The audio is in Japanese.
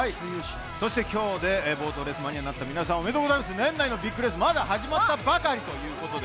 そして今日でボートレースマニアになった皆さん、おめでとうございます、年内のビッグレース、まだ始まったばかりです。